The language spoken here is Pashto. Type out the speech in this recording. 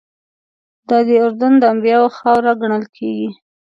دادی اردن د انبیاوو خاوره ګڼل کېږي.